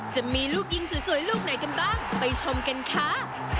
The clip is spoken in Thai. จะมีลูกยิงสวยลูกไหนกันบ้างไปชมกันค่ะ